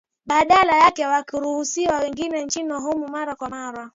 badala yake wakiruhusiwa waingie nchini humo mara kwa mara